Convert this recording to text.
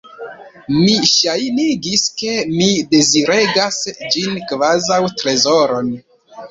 Mi ŝajnigis, ke mi deziregas ĝin, kvazaŭ trezoron.